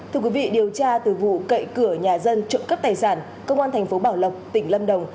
thưa quý vị điều tra từ vụ cậy cửa nhà dân trộm cấp tài sản công an tp bảo lộc tỉnh lâm đồng